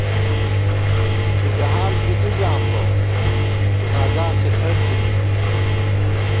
شلی حال تھنی ژام بہ، ݭُنا گاݭٹے ݪنٹی می